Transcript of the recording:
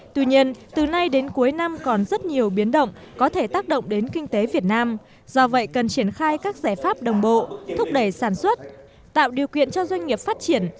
tuy nhiên từ nay đến cuối năm còn rất nhiều biến động có thể tác động đến kinh tế việt nam do vậy cần triển khai các giải pháp đồng bộ thúc đẩy sản xuất tạo điều kiện cho doanh nghiệp phát triển